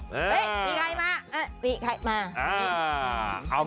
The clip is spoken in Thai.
เห้ยมีใครมาเออมีใครมา